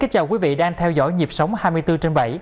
xin chào quý vị đang theo dõi nhịp sống hai mươi bốn trên bảy